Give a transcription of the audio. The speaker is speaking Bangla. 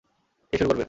কে শুরু করবে?